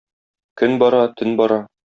Көн бара, төн бара.